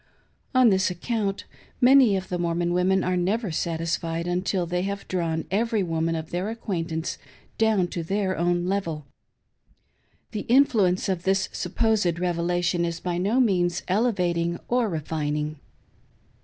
On this account, many of the Mormon women are never satisfied until they "have drawn every woman of their acquaintance down to their own level. The influence of this supposed "Eevelation" is by no means elevating or refining.